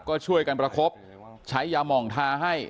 ก็ช่วยกันประคบใช้ยาหม่องทาให้